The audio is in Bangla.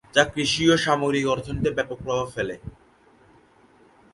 যা কৃষি ও সামগ্রিক অর্থনীতিতে ব্যাপক প্রভাব ফেলে।